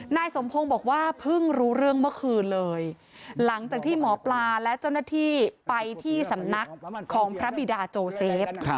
นายสมพงศ์บอกว่าเพิ่งรู้เรื่องเมื่อคืนเลยหลังจากที่หมอปลาและเจ้าหน้าที่ไปที่สำนักของพระบิดาโจเซฟ